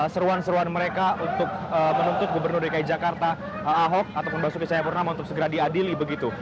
seruan seruan mereka untuk menuntut gubernur dki jakarta ahok ataupun basuki cahayapurnama untuk segera diadili begitu